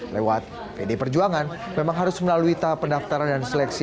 lewat pd perjuangan memang harus melalui tahap pendaftaran dan seleksi